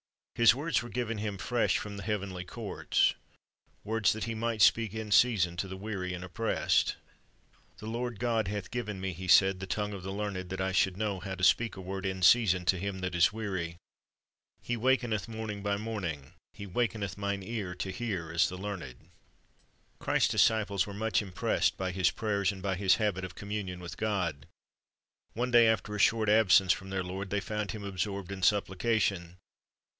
His words were given Him fresh from the heavenly courts, words that He might speak in season to the weary and oppressed. "The Lord God hath given Me," He said, "the tongue of the learned, that I should know how to speak a word in season to him that is weary: He wakeneth morning by morning, He wakeneth Mine ear to hear as the learned."^ Based on Luke 11:1 13 'John 14:24; Matt. 20:28 21551.50:4 (139) \ 140 Christ's Object Lessons Clirist's disciples were much impressed by His prayers and by His habit of communion with God. One day after a short absence from their Lord, they found Him absorbed in supplication.